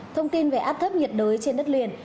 thông tin về áp thấp nhiệt đới trên đất liền